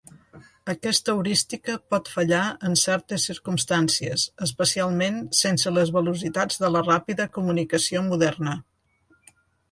Aquesta heurística pot fallar en certes circumstàncies, especialment sense les velocitats de la ràpida comunicació moderna.